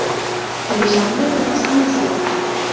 停手，呢度發生咩事？